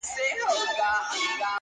ډېر هوښیار وو د خپل کسب زورور وو!.